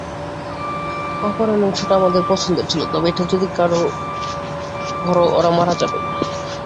অপহরণের অংশটা আমাদেরও পছন্দের ছিল, তবে এটা যদি করো, ওরা মারা যাবে।